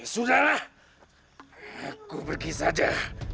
sudahlah aku pergi saja